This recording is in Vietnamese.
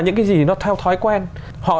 những cái gì nó theo thói quen họ